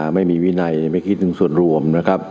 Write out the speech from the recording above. ไม่มีวินัยไม่คิดถึงส่วนรวม